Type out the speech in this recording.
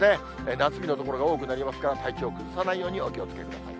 夏日の所が多くなりますから、体調を崩さないようにお気をつけください。